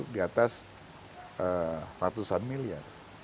di atas ratusan miliar